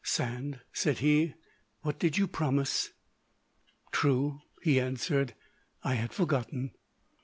"Sand," said he, "what did you promise?" "True," he answered; "I had forgotten."